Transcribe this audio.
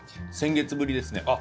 先月ぶりですね。